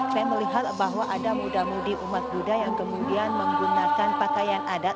saya melihat bahwa ada muda mudi umat buddha yang kemudian menggunakan pakaian adat